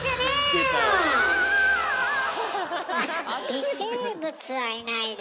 微生物はいないでしょ。